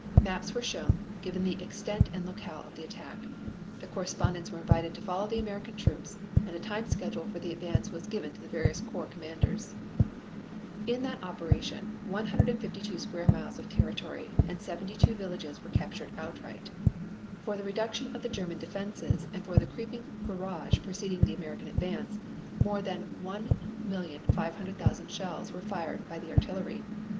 Maps were shown, giving the extent and locale of the attack. The correspondents were invited to follow the American troops and a time schedule for the advance was given to the various corps commanders. In that operation, 152 square miles of territory and 72 villages were captured outright. For the reduction of the German defenses and for the creeping barrage preceding the American advance, more than 1,500,000 shells were fired by the artillery.